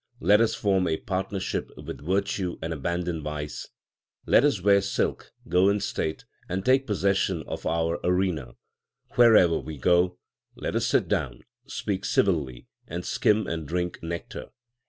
Let us form a partnership with virtue and abandon vice. Let us wear silk, go in state, and take possession of our arena. 2 Wherever we go, let us sit down, speak civilly, and skim and drink nectar.